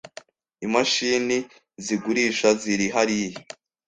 Imashini zigurisha ziri hariya.